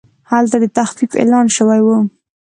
هلته د تخفیف اعلان شوی و.